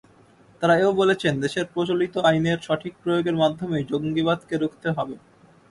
তাঁরা এ-ও বলেছেন, দেশের প্রচলিত আইনের সঠিক প্রয়োগের মাধ্যমেই জঙ্গিবাদকে রুখতে হবে।